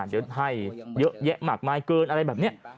เดี๋ยวให้เยอะแยะมากมายเกินอะไรแบบนี้